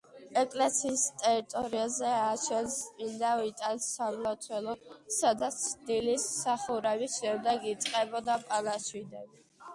ეკლესიის ტერიტორიაზე ააშენეს წმინდა ვიტალის სამლოცველო, სადაც დილის მსახურების შემდეგ იწყებოდა პანაშვიდები.